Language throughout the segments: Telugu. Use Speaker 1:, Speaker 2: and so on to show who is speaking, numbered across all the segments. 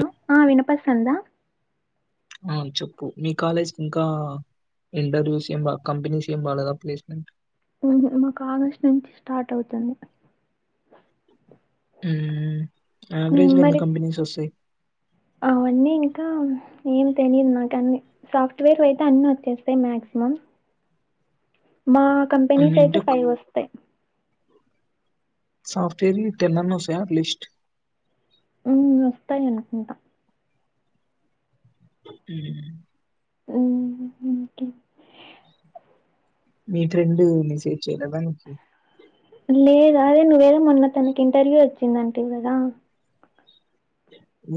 Speaker 1: హలో ఆ వినపిస్తుందా
Speaker 2: ఆ చెప్పు మీ కాలేజ్కి ఇంకా ఇంటర్వ్యూస్ ఏం కంపెనీస్ ఏం రాలేదా ప్లేస్మెంట్
Speaker 1: ఉహు మాకు ఆగస్టు నుంచి స్టార్ట్ అవుతుంది
Speaker 2: యావరేజ్గా ఎన్ని కంపెనీస్ వస్తయి
Speaker 1: ఆ అన్నీ ఇంకా ఏం తెలీదు నాకు అన్ని సాఫ్ట్వేర్ లో అయితే అన్ని వచ్చేస్తాయి మాక్సిమం మా
Speaker 2: అన్ని
Speaker 1: కంపెనీస్
Speaker 2: అంటే
Speaker 1: అయితే
Speaker 2: ఒక
Speaker 1: ఫైవ్ వస్తాయ్
Speaker 2: సాఫ్ట్వేర్ టెన్ అన్న వస్తాయా అట్లీస్ట్
Speaker 1: మ్మ్ వస్తాయి అనుకుంటా
Speaker 2: హ్మ్ హు
Speaker 1: మ్మ్ మ్మ్ ఇంకేం
Speaker 2: మీ ఫ్రెండ్ మిసేజ్ చేయలేదా నీకి
Speaker 1: లేదు అదే నువ్వేదో మొన్న తనకి ఇంటర్వ్యూ వచ్చిందంటవి కదా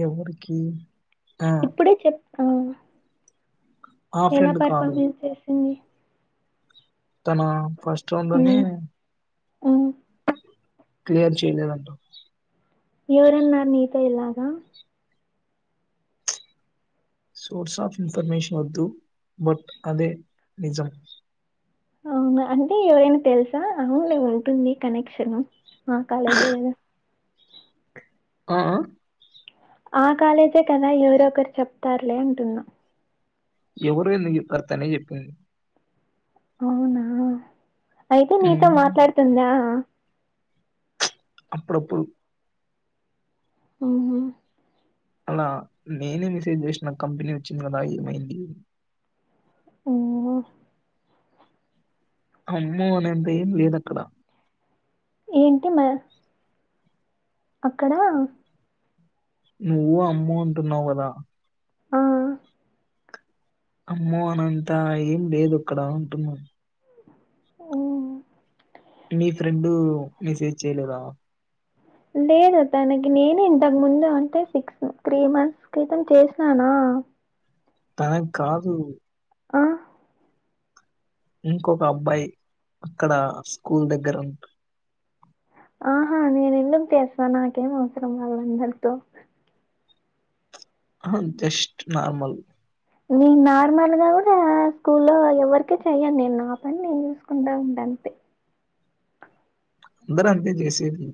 Speaker 2: ఏవరికి
Speaker 1: ఇప్పుడే చెప్ ఆ
Speaker 2: ఆ
Speaker 1: ఎలా
Speaker 2: ఫ్రెండ్ కాదు.
Speaker 1: పర్ఫార్మెన్స్ చేసింది
Speaker 2: తన ఫస్ట్ రౌండ్ లోనే
Speaker 1: మ్మ్ మ్మ్
Speaker 2: క్లియర్ చేయలేదంట
Speaker 1: ఎవరన్నారు నీతో ఇలాగ
Speaker 2: సోర్స్ ఆఫ్ ఇన్ఫర్మేషన్ వద్దు బట్ అదే నిజం
Speaker 1: అవునా అంటే ఎవరైనా తెలుసా అవునే ఉంటుంది కనెక్షను ఆ కాలేజీ ఏదో
Speaker 2: ఆ
Speaker 1: ఆ కాలేజే కదా ఎవరొ ఒకరు చెప్తారులే అంటున్నా
Speaker 2: ఎవరో ఎందుకు చెప్తారు తనేే చెప్పింది
Speaker 1: అవునా అయితే నీతో
Speaker 2: హ్మ్.
Speaker 1: మాట్లాడుతుందా
Speaker 2: అప్పుడపుడు
Speaker 1: హ్మ్ హు
Speaker 2: అలా నేనే మెసేజ్ చేసిన కంపెనీ వచ్చింది కదా ఏమైంది
Speaker 1: ఆమ్మో
Speaker 2: అమ్మో అనేంత ఏం లేదు అక్కడ
Speaker 1: ఏంటి మా అక్కడ
Speaker 2: నువ్వు అమ్మో అంటున్నావు కదా
Speaker 1: ఆ
Speaker 2: అమ్మో అనంతా ఏం లేదు అక్కడ అంటున్నా
Speaker 1: మ్మ్
Speaker 2: నీ ఫ్రెండు మెసేజ్ చేయలేదా
Speaker 1: లేదు తనకి నేనే ఇంతకు ముందు అంటే సిక్స్ త్రీ మంత్స్ క్రితం చేసినాన నా
Speaker 2: తనకి కాదు
Speaker 1: ఆ
Speaker 2: ఇంకొక అబ్బాయి అక్కడ స్కూల్ దగ్గర ఉంటా
Speaker 1: ఆహా నేను ఎందుకు చేస్తా నాకేం అవసరం వాళ్ళందరితో
Speaker 2: అ జస్ట్ నార్మల్
Speaker 1: నేను నార్మల్గా కూడా స్కూల్లో ఎవరికి చెయ్యను నేను నా పని నేను చూసుకుంటా ఉంట అంతే
Speaker 2: అందరు అంతే చేసేది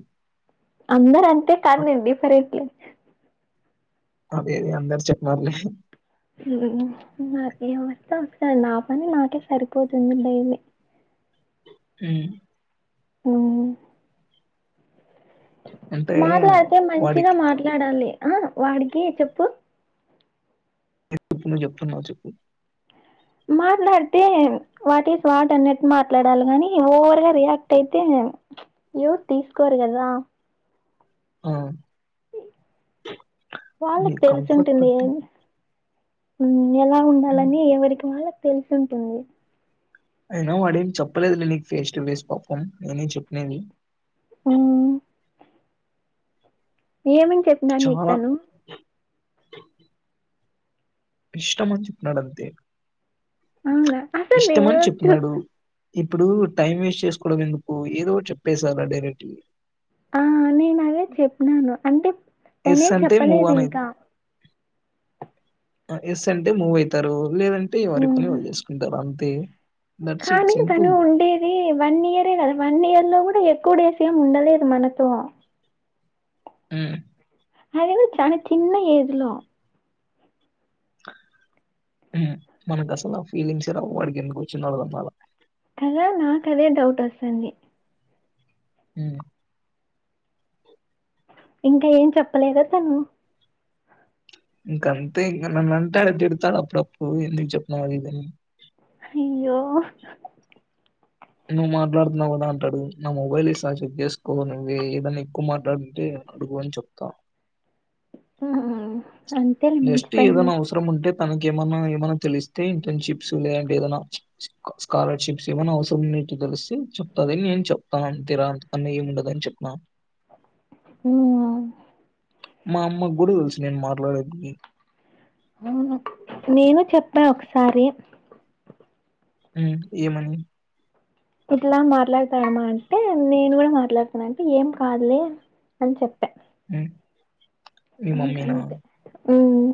Speaker 1: అందరు అంతే కాదు నేను డిఫరెంట్ లే
Speaker 2: అదే అందరు చెప్పమను విషయం
Speaker 1: మ్మ్ నాకేం వచ్చో అంతే నా పని నాకే సరిపోతుంది డైలీ
Speaker 2: ఊ
Speaker 1: ఆ
Speaker 2: అంటే
Speaker 1: మాట్లాడితే మంచిగా
Speaker 2: వాడికి
Speaker 1: మాట్లాడాలి ఆ వాడికి చెప్పు
Speaker 2: ఎపుడు ను చెప్తున్నావు చెప్పు
Speaker 1: మాట్లాడితే వాట్ ఈస్ వాట్ అన్నట్టు మాట్లాడాలి కాని ఓవర్ గా రియాక్ట్ అయితే అ యోవర్ తీస్కోర్ కదా
Speaker 2: ఆ నీ
Speaker 1: వాళ్ళకి తెలిసు
Speaker 2: కంఫర్ట్ బట్టి
Speaker 1: ఉంటుందికదా ఊ ఎలా ఉండాలని ఎవరికినీ తెలిసు ఉంటుంది
Speaker 2: అయినా వాడేం చెప్పలేదు నీకు ఫేస్ టు ఫేస్ పాపం నేనే చెప్పినది
Speaker 1: ఊ ఏమని చెప్పినాడు నీకు
Speaker 2: చాలా
Speaker 1: తను
Speaker 2: [inaudible] ఇష్టం అని చెప్పినడు అంతే
Speaker 1: అవునా అసలు నేను
Speaker 2: ఇష్టమని
Speaker 1: చూ
Speaker 2: చెప్పినాడు ఇప్పుడు టైం వేస్ట్ చేసుకోవడం ఎందుకు ఏదోకటి చెప్పేస్యలే డైరెక్ట్గ
Speaker 1: ఆ నేను అదే చెప్పినను అంటే తనే ఏం చెప్పలేదు ఇంకా
Speaker 2: ఎస్ అంటే మూవ్ అవుతారు లేదంటే వరి పని
Speaker 1: మ్మ్
Speaker 2: వాళ్ళు చేసుకుంటారు ఏ
Speaker 1: కానీ తను ఉండేది వన్ ఇయరే కదా వన్ ఇయర్ లో కూడా ఎక్కువ డేస్ ఏ ఉండలేదు మనతో
Speaker 2: ఉ
Speaker 1: మరేమీ తన చిన్న ఏజ్లో
Speaker 2: ఉ మనకు అసలు ఆ ఫీలింగ్స్ రావ్ వాడికి ఎందుకొచ్చిందో అర్థంకాల
Speaker 1: కదా నాకు అదే డౌట్ వస్తుంది
Speaker 2: ఉ
Speaker 1: ఇంకా ఏం చెప్పలేద తను
Speaker 2: ఇంకంతే ఇంకా నన్నంటే అ తిడతాడు అప్పుడప్పుడు ఎందుకు చెప్పినవ్ ఇది అని
Speaker 1: అయ్యో
Speaker 2: నువ్వు మాట్లాడుతున్నావ్ కదా అంటాడు నా మొబైల్ ఇస్త చెక్ చేసుకో నువ్వే ఏదైన్నా ఎక్కువ మాట్లాడుంటే అడుగు అని చెప్తా
Speaker 1: అంతేలే మంచి పని చే
Speaker 2: తనక ఏమన్నా ఏమన్నా తెలిస్తే ఇంటర్న్షిప్స్ లేదంటే ఏదైనా స్కాలర్షిప్స్ ఏమైన అవసరం న్నిటి తెలిసి చెప్తదిని నేను చెప్తానుంతరా అంతకన్నా ఏమి ఉండదుని చెప్తు
Speaker 1: ఆ
Speaker 2: మా అమ్మ కూడా తెలుసు నేను మాట్లాడేదిని
Speaker 1: అవును నేను చెప్పా ఒకసారి
Speaker 2: హ ఏమని
Speaker 1: ఇట్లా మాట్లాడతాారమ్మా అంటే నేను కూడా మాట్లాడతానంటే ఏం కాదులే అని చెప్పా
Speaker 2: ఈ మీ
Speaker 1: ఇంక
Speaker 2: మమ్మీ నా
Speaker 1: అంతే మ్మ్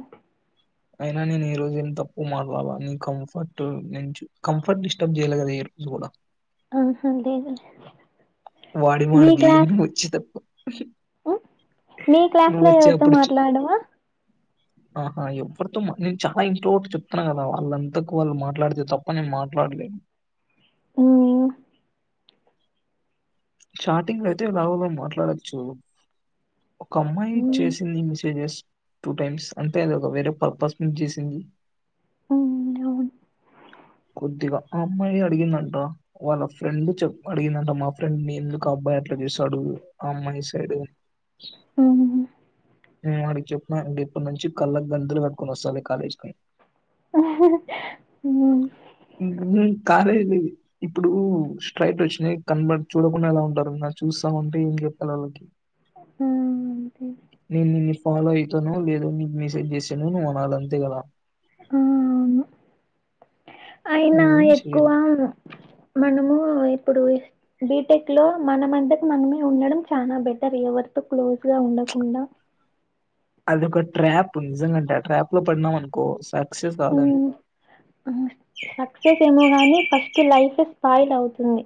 Speaker 2: అయినా నేను ఈ రోజు ఏం తప్పు మార్లవా నీ కంఫర్ట్ ను కంఫర్ట్ డిస్టర్బ్ చేయ్యలే కదా కూడా
Speaker 1: ఆ లేేదులే
Speaker 2: వాడి మడ్ది వచ్చి తప్ప
Speaker 1: మీ క్లాస్ లో ఎవరితో
Speaker 2: అప్పుడు చ్
Speaker 1: మాట్లాడవా
Speaker 2: ఆహా ఎవరితో నేను చాలా ఇంట్లో ఒకటి చెప్తున్నాను కదా వాళ్ళంతకు వాళ్ళు మాట్లాడితే తప్ప నేను మాట్లా మాట్లా
Speaker 1: ఊమ్
Speaker 2: స్టార్టింగ్ లో అయితే లవులో మాట్లాడచ్చు ఒక అమ్మాయి
Speaker 1: మ్మ్
Speaker 2: చేసింది మెసేజెస్ టూ టైమ్స్ అంతే అది ఒక వేరే పర్పస్ నుంచి చేసింది
Speaker 1: ఉ అవును
Speaker 2: కొద్దిగా ఆ అమ్మాయి అడిగిందంట వాళ్ళ ఫ్రెండ్ చెప్ అడిగిందంట మా ఫ్రెండ్ ఎందుకు అబ్బాయి అట్లా చూసాడు ఆ అమ్మాయి సైడ్
Speaker 1: ఉమ్
Speaker 2: నేను అడికి చెప్పిన అండి ఇప్పటి నుంచి కళ్ళకి గంతులు కట్టుకుొని వస్తా అ కాలేజ్కిి
Speaker 1: మ్మ్
Speaker 2: ఉమ్ [unintelligible] ఇప్పుడు స్ట్రైట్ వచ్చినయి కన్వర్ట్ చూడకుండా ఎలా ఉంటారు నా చూస్తా ఉంటే ఏం చెప్పిల్ల వాళ్ళకి
Speaker 1: ఆ అంతే
Speaker 2: ని ఫాలో అవుతాను లేదో నీకు మిసేజ్ చేసాను నువ్వు అనళ అంతేగల
Speaker 1: ఉమ్మ్ అయినా
Speaker 2: నేనేం
Speaker 1: ఎక్కువ
Speaker 2: చేయను.
Speaker 1: మనము ఇప్పుడు బీటెక్ లో మనమంతకు మనమే ఉండడం చాలా బెటర్ ఎవరితో క్లోజ్ గా ఉండ కుడా
Speaker 2: అది ఒక ట్రాప్ నిజంగాంటే ట్రాప్ లో పడినాం అనుకో సర్
Speaker 1: సక్సెస్ ఏమో గాని ఫస్ట్ లైఫ్ స్పాయిల్ అవుతుంది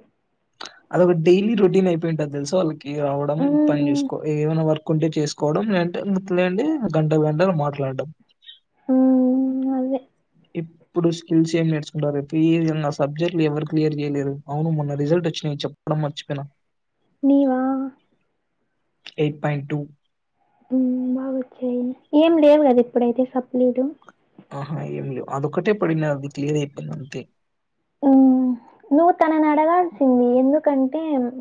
Speaker 2: అదొక డైలీ రొటీన్ అయిపోయింటది తెలుస వాళ్ళకి రావడం పని
Speaker 1: మ్మ్
Speaker 2: చేసుకో ఏమైనా వర్క్ కుంట చేసుకోవడంంటే లేదంటే గంటలు గంటలు మాట్లాడడం
Speaker 1: ఆ అదే
Speaker 2: ఇప్పుడు స్కిల్స్ ఏం నేర్చుకుంటారు పి నా సబ్జెక్ట్లు ఎవరు క్లియర్ చేయలేరు అవును మొన్న రిజల్ట్ వచ్చినా నేను చెప్పడం మర్చిపోయినా
Speaker 1: నీవా
Speaker 2: ఎయిట్ పయింట్ టూ
Speaker 1: ఊమ్ బాగోచ్చాయి ఏం లేవు కదా ఇప్పుడైతే సప్లీలు
Speaker 2: ఆహా ఏం లేవు అదొ ఒకటే పడిన అది క్లియర్ అయిపోయింది అంతే
Speaker 1: ఉమ్ నువ్వు తనని అడగాల్సింది ఎందుకంటే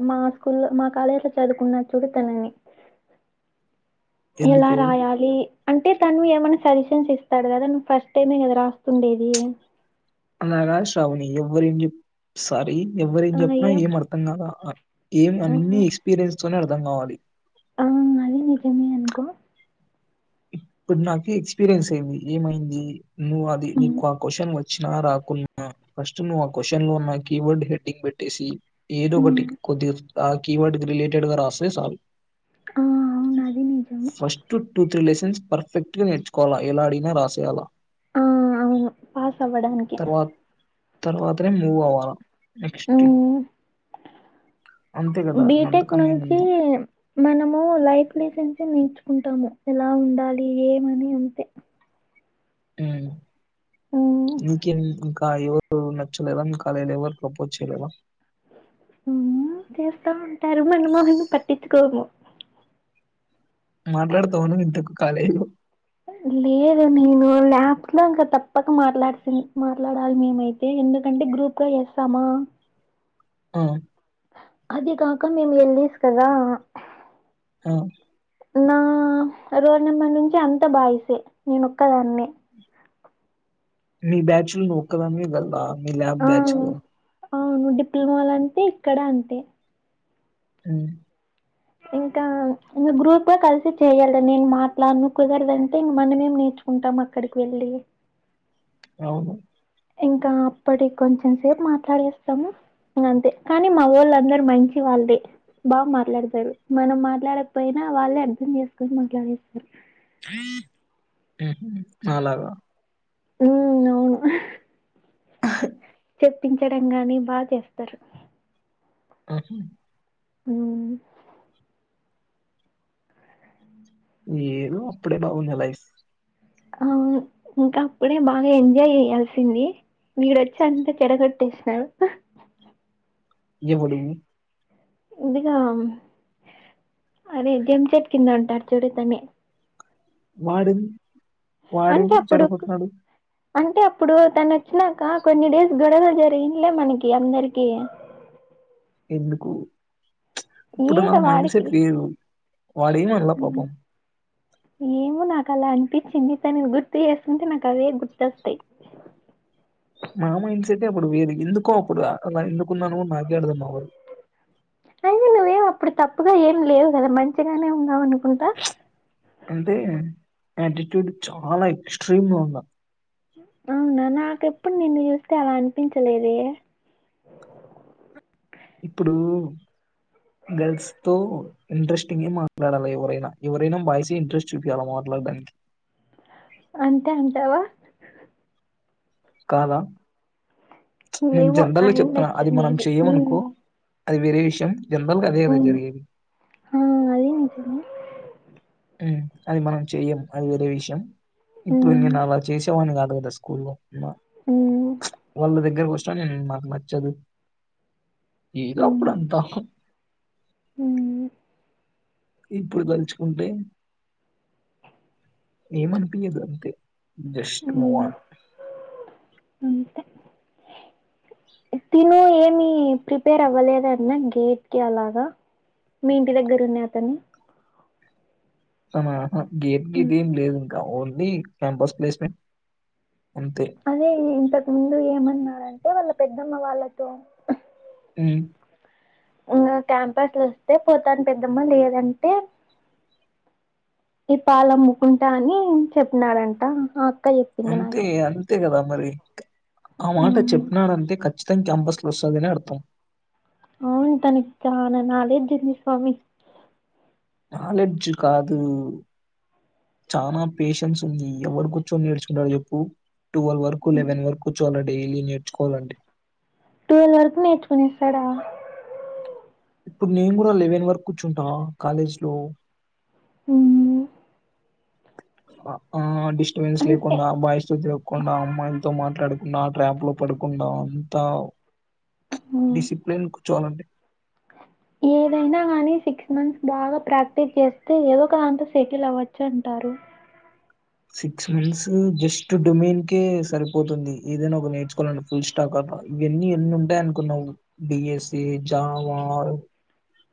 Speaker 1: మా స్కూల్ మా కాలేజ్ లో చదువుకున్న చూ ఎలా
Speaker 2: ఎందుకు?
Speaker 1: రాయాలి అంటే తను ఏమైన్నా సరి ఇస్తాడు కదా ను్ ఫస్ట్ టైమే కదా రాస్తుండేది
Speaker 2: అలాగా శ్రావణి ఎవ్వర ఏం చె సారీ ఎవ్వర ఏం చెప్పినా ఏం అర్థం కాదా గేమ్ అన్నిీ ఎక్స్పీరియన్స్ తోనే అర్థం కావాలి
Speaker 1: అవును అది నిజమే అనుకో
Speaker 2: ఇప్పుడు నాకు ఎక్స్పీరియన్స్ అయింది ఏమైంది నువ్వు అది
Speaker 1: మ్మ్
Speaker 2: నీకు ఆ క్వశ్చన్ వచ్చినా రాకున్నా ఫస్ట్ నువ్వు ఆ క్వశ్చన్ లోన్న కీవర్డ్ హెడ్డింగ్ పెట్టేసి ఏదో ఒకటి
Speaker 1: మ్మ్
Speaker 2: కొద్దిరు ఆ కీవర్డ్ రిలేటెడ్ గా రాస్తే సాలు
Speaker 1: ఆ అవును అది నిజమే
Speaker 2: ఫస్ట్ టూ రిలేషన్స్ పర్ఫెక్ట్ గా నేర్చుకోవాలా ఎలా అడిగిన రాసేయాలా
Speaker 1: ఆ అవును పాస్ అవ్వడానికి
Speaker 2: తర్వా తర్వాతనే మూవ్ అవ్వాల నెక్స్ట్
Speaker 1: హ్మ్
Speaker 2: అంతే గదా!
Speaker 1: బీటెక్
Speaker 2: అంతకన్నా
Speaker 1: నుంచి
Speaker 2: ఏముంది.
Speaker 1: మనము లైఫ్ లెసెన్స్ నేర్చు కుంటము ఎలా ఉండాలి ఏమని అంతే
Speaker 2: ఉమ్
Speaker 1: హ్మ్
Speaker 2: యూకే ఎవరు నచ్చలేదా మీ కాలేజిల ఎవరు ప్రపోజ్ చేయలేదా
Speaker 1: చేస్తా ఉంటారు మన మొహన్నీ పట్టించుకోము
Speaker 2: మాట్లాడతవ నువ్వు ఇంతకు కాలేజీలో
Speaker 1: లేదు నేను లాబ్స్ లో ఇంకా తప్పక మాట్లాడిసింది మాట్లాడాలి మేమైతే ఎందుకంటే గ్రూప్గా చేస్తామా
Speaker 2: ఆ
Speaker 1: అదే కాక మేము ఎల్ఈస్ కదా
Speaker 2: అ
Speaker 1: నా రోల్ నెంబర్ నుంచి అంత బాయిసే నేను ఒక్కదాన్నే
Speaker 2: మీ బ్యాచ్ లో నువ్వొక్కదానివే గర్లా మీ ల్యాబ్
Speaker 1: ఆ
Speaker 2: బ్యాచ్ లో
Speaker 1: అవును డిప్లొమాల అంతే ఇక్కడ అంతే
Speaker 2: అ
Speaker 1: ఇంకా ఇంగ గ్రూప్గా కలిసి చెయ్యాలి నేను మాట్లాడను కుదరదంటే ఇంకా మనమేం నే ర్చుకుంటాం అక్కడికి వెళ్ళి
Speaker 2: అవును
Speaker 1: ఇంకా అప్పటికి కొంచెం సేపు మాట్లాడేస్తాము అంతే కానీ మావాళ్ళందర మంచివాళ్ళే బాగా మాట్లాడతారు మనం మాట్లాడకపోయినా వాళ్ళే అర్థం చేసుకొని మాట్లాడేస్తరు
Speaker 2: అలాగా
Speaker 1: ఉ అవును
Speaker 2: ఆ
Speaker 1: చెప్పించడం కాని బాగ చేస్తారు
Speaker 2: ఆహ
Speaker 1: ఉమ్
Speaker 2: ఏదో అప్పుడే బాగుంది లైఫ్
Speaker 1: అవును ఇంకా అప్పుడే బాగా ఎంజాయ్ చేయాల్సింది మీరోచ్చి అంత చెడగొట్టేసారు
Speaker 2: ఎవడు?
Speaker 1: ఇదిగా అరే జమ్మిచెట్టు కింద ఉంటారు చూడు తనే
Speaker 2: వాడేంది
Speaker 1: అంటే
Speaker 2: వాడేంది
Speaker 1: అప్పుడు
Speaker 2: చెడగొట్టినోడు
Speaker 1: అంటే అప్పుడు తను వచ్చినాక కొన్ని డేస్ గొడవ జరిగిందిలే మన అందరికి అ
Speaker 2: ఎందుకు ఇప్పుడు నా
Speaker 1: ఏదో
Speaker 2: మైండ్
Speaker 1: వాడికి
Speaker 2: సెట్ వేరు వాడేమనలా పాపం
Speaker 1: ఏమో నాకలా అనిపించింది తను గుర్తు చేసుకుంటే నాకు అవే గుర్తోస్తాయి అ
Speaker 2: నా మైండ్ సెట్ ఏ అప్పుడు వేరు ఎందుకో అప్పుడు అలా ఎందుకున్నానో కూడా నాకే అర్థమవ్వదు
Speaker 1: అయ్యో నువ్వేం అప్పుడు తప్పుగా ఏం లేవు కదా మంచిగానే ఉన్నావు అనుకుంటా
Speaker 2: అంటే యాటిట్యూడ్ చాలా ఎక్స్ట్రీమ్గా ఉన్నా
Speaker 1: అవునా నాకెప్పుడు నిన్ను చూస్తే అలా అనిపించలేదే
Speaker 2: ఇప్పుడు గర్ల్స్ తో ఇంట్రెస్టింగ్ మాట్లాడాలి ఎవరైనా ఎవరైనా బాయ్స్ ఎ ఇంట్రెస్ట్ చూపియ్యాలి మాట్లాడడానికి
Speaker 1: అంతే అంటావా
Speaker 2: కాదా నేను
Speaker 1: ఏమో
Speaker 2: జనరల్గా చెప్తున్నా
Speaker 1: అయ్యుండొచ్చు
Speaker 2: అది మనం
Speaker 1: మేబి మ్మ్
Speaker 2: చేయమనుకో అది వేరే విషయం జనరల్ గా అదే కద
Speaker 1: మ్మ్
Speaker 2: జరిగేది
Speaker 1: ఆ అది నిజమే
Speaker 2: అది మనం చెయ్యం అది వేరే విషయం ఇప్పుడు
Speaker 1: మ్మ్
Speaker 2: నేను అలా చేసి కొట్టే వాణ్ణి కాదు కదా స్కూల్లో
Speaker 1: మ్మ్
Speaker 2: వాళ్ళ దగ్గరకి వస్ మాకు నచ్చదు ఏదో
Speaker 1: మ్మ్
Speaker 2: అప్పుడుంతా
Speaker 1: మ్మ్
Speaker 2: ఇప్పుడు తలుచుకుంటే ఏమనిపీయదు అంతే జస్ట్ మూవ్
Speaker 1: మ్మ్
Speaker 2: ఆన్
Speaker 1: అంతే తిను ఏమి ప్రిపేర్ అవ్వలేదన్న గేట్ కి అలాగా మీ ఇంటి దగ్గర ఉన్న అతను
Speaker 2: అతనా ఆహా గేట్ గేట్
Speaker 1: ఉమ్.
Speaker 2: ఏం లేదు ఇంకా ఓన్లీ క్యాంపస్ ప్లేస్మెంట్ అంతే
Speaker 1: అదే ఇంతకు ముందు ఏమన్నారంటే వాళ్ళ పెద్దమ్మ వాళ్ళతో
Speaker 2: హ్మ్
Speaker 1: నాకు క్యాంపస్ లో వస్తే పోతాను పెద్దమ్మా లేదంటే ఈ పాలమ్ముకుంటా అని చెప్పినాడంట అక్క చెప్పింది
Speaker 2: అంతే
Speaker 1: నాకి
Speaker 2: అంతే కదా మరి ఆ మాట
Speaker 1: మ్మ్
Speaker 2: చెప్పినాడంతే ఖచ్చిత తం క్యాంపస్ లో వస్తాది అని అర్థం
Speaker 1: అవును తనకి చాలా నాలెడ్జుంది స్వామి
Speaker 2: నాలెడ్జ్ కాదు చానా పేషెన్స్ ఉంది ఎవరు కూర్చొని నేర్చుకుంటాడు చెప్పు ట్వెల్వ్ వరకు ఎలెవెన్ వరకు కూర్చోవాల డైలీ నేర్చుకోవాలంటే
Speaker 1: ట్వల్వ్ వరకు నేర్చుకునేస్తాడా
Speaker 2: ఇప్పుడు నేను కూడా లెవెన్ వరకు కూర్చుంటా కాలేజ్ లో
Speaker 1: అవును
Speaker 2: ఆ ఆ డిస్టబెన్స్
Speaker 1: అంతే
Speaker 2: లేకుండా బాయస్తో తిరగకుండా అమ్మాయిలతో మాట్లాడకుండా ట్రాప్ లో పడకుండా అంతా
Speaker 1: మ్మ్.
Speaker 2: డిసిప్లిన్ కూర్చోవాలండి
Speaker 1: ఏదైనా గాని సిక్స్ మంత్స్ బాగా ప్రాక్టీస్ చేస్తే ఏదో ఒక దాంతో సెటిల్ అవ్వచ్చు అంటారు
Speaker 2: సిక్స్ మంత్స్ జస్ట్ డొమైన్ కే సరిపోతుంది ఏదైనా ఒక నేర్చుకోవాలండి ఫుల్ స్టాక్ ఇవన్నీ ఎన్ని ఉంటాయి అనుకున్నావు డిఎస్సీఇ జావార్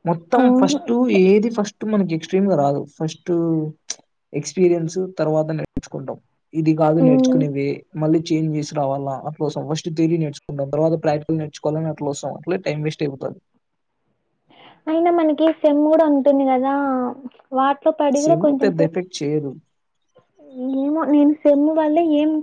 Speaker 2: మొత్తం
Speaker 1: అవును
Speaker 2: ఫస్టు ఏది ఫస్ట్ మనకి ఎక్స్ట్రీమ్ గా రాదు ఫస్ట్ ఎక్స్పీరియన్స్ తర్వాత నేర్చుకుంటాం ఇది కాదు
Speaker 1: మ్మ్
Speaker 2: నేర్చుకునేది మళ్ళీ చేంజ్ చేసి రావాలా అట్లాసం ఫస్ట్ థీరీ నేర్చుకుంటాం తర్వాత ప్రాక్టికల్ నేర్చుకోవాలని అట్లా వస్తం అట్లే టైం వేస్ట్ అయిపోతుంది అ
Speaker 1: అయినా మనకి సెమ్ కూడా ఉంటుంది కదా వాటిలో పడి కూడా
Speaker 2: సెమ్
Speaker 1: కొంచెం
Speaker 2: పెద్ద
Speaker 1: సేపు
Speaker 2: ఎఫెక్ట్ చేయదు
Speaker 1: ఏమో నేను సెమ్ వాళ్ళు ఏం